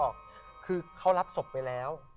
บอกคือเขารับศพไปแล้ว